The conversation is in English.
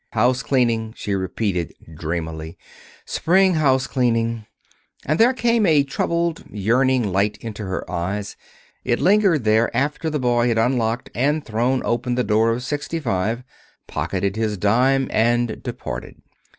"House cleaning," she repeated dreamily; "spring house cleaning." And there came a troubled, yearning light into her eyes. It lingered there after the boy had unlocked and thrown open the door of sixty five, pocketed his dime, and departed.